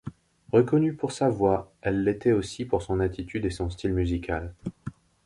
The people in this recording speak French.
Reconnue pour sa voix, elle l'était aussi pour son attitude et son style musical.